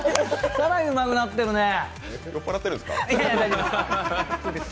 更にうまくなってるねえ。